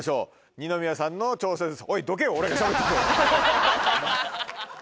二宮さんの挑戦です。